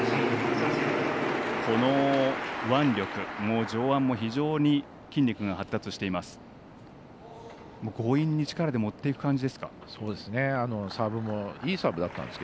この腕力上腕も非常に筋肉が発達しています。